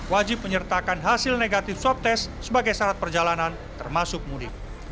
wajib menyertakan hasil negatif swab test sebagai syarat perjalanan termasuk mudik